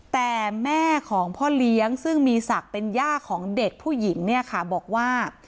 แต่แม่ของพ่อเลี้ยงซึ่งมีศักดิ์เป็นย่าของเด็กผู้หญิงเนี่ยค่ะบอกว่า